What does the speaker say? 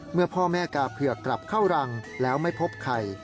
เมื่อพ่อแม่กาเผือกกลับเข้ารังแล้วไม่พบใคร